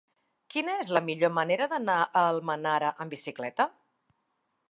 Quina és la millor manera d'anar a Almenara amb bicicleta?